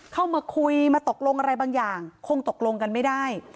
เข้ามาคุยมาตกลงอะไรบางอย่างคงตกลงกันไม่ได้